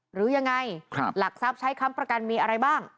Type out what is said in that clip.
หรือยังไงหลักทรัพย์ใช้ค้ำประกันมีอะไรบ้าง